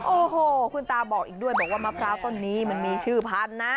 โอ้โหคุณตาบอกอีกด้วยบอกว่ามะพร้าวต้นนี้มันมีชื่อพันธุ์นะ